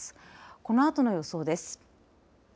このあとの予想です。